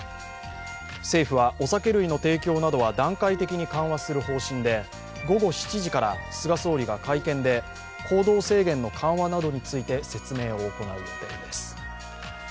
政府はお酒類の提供などは段階的に緩和する方針で午後７時から菅総理が会見で行動制限の緩和などについて説明を行う予定です。